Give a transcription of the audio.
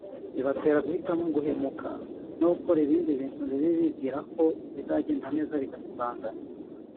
bibatera guhitamo guhemuka no gukora ibindi bintu bibi bibwira ko bizagenda neza bigasibangana